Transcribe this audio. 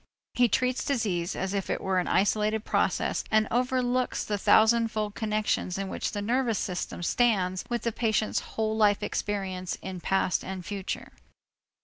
He treats disease as if it were an isolated process and overlooks the thousandfold connections in which the nervous system stands with the patient's whole life experience in past and future.